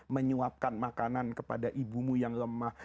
menyuapkan makanan kepada ibumu yang lemah